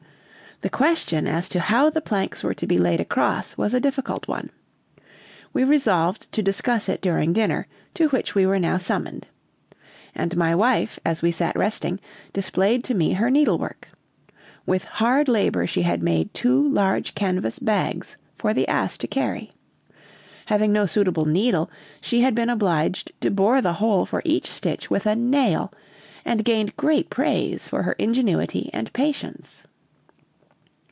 The question as to how the planks were to be laid across was a difficult one. We resolved to discuss it during dinner, to which we were now summoned. And my wife, as we sat resting, displayed to me her needlework. With hard labor she had made two large canvas bags for the ass to carry. Having no suitable needle, she had been obliged to bore the hole for each stitch with a nail, and gained great praise for her ingenuity and patience.